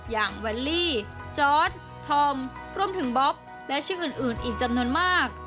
แวลลี่จอร์ดธอมรวมถึงบ๊อบและชื่ออื่นอีกจำนวนมาก